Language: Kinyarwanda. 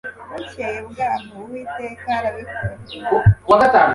bukeye bwaho uwiteka arabikora